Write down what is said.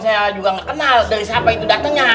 saya juga nggak kenal dari siapa itu datangnya